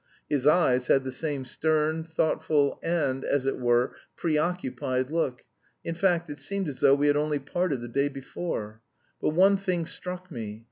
His eyes had the same stern, thoughtful and, as it were, preoccupied look. In fact, it seemed as though we had only parted the day before. But one thing struck me.